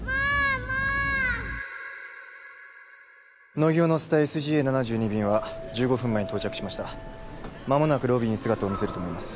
乃木を乗せたＳＧＡ７２便は１５分前に到着しましたまもなくロビーに姿を見せると思います